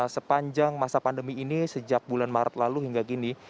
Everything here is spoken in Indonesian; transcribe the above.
sepanjang masa pandemi ini sejak bulan maret lalu hingga gini